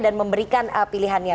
dan memberikan pilihannya